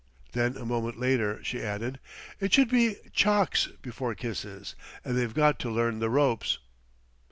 Then a moment later she added, "It should be chocs. before kisses, and they've got to learn the ropes."